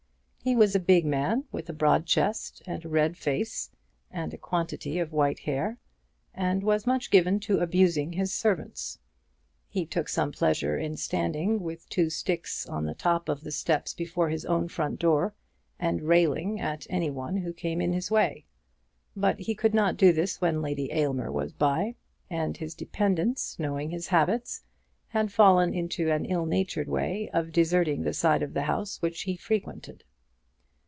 He was a big man, with a broad chest, and a red face, and a quantity of white hair, and was much given to abusing his servants. He took some pleasure in standing, with two sticks on the top of the steps before his own front door, and railing at any one who came in his way. But he could not do this when Lady Aylmer was by; and his dependents, knowing his habits, had fallen into an ill natured way of deserting the side of the house which he frequented.